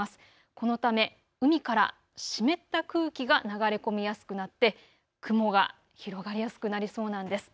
このため海から湿った空気が流れ込みやすくなって雲が広がりやすくなりそうなんです。